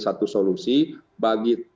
satu solusi bagi